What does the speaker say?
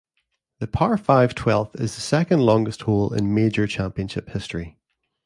The par five twelfth is the second longest hole in major championship history.